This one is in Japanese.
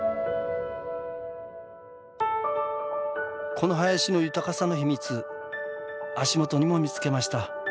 この林の豊かさの秘密足元にも見つけました。